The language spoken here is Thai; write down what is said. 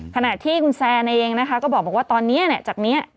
ขณะที่คุณแซนเองนะคะก็บอกว่าตอนนี้จากนี้